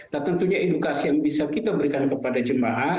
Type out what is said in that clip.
nah tentunya edukasi yang bisa kita berikan kepada jemaah